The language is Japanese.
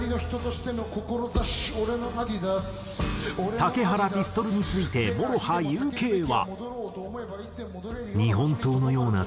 竹原ピストルについてＭＯＲＯＨＡＵＫは。